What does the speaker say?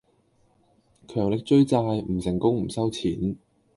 強力追債，唔成功唔收錢!